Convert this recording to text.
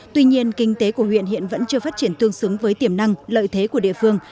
tuy nhiên kinh tế của huyện hiện vẫn chưa phát triển tương xứng với tiềm năng lợi thế của địa phương